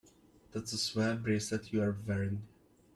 That's a swell bracelet you're wearing.